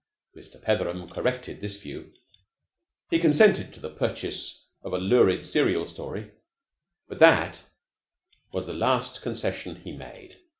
Mr. Petheram corrected this view. He consented to the purchase of a lurid serial story, but that was the last concession he made.